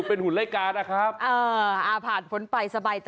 เออกา